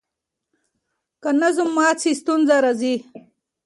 که نظم مات سي ستونزه راځي.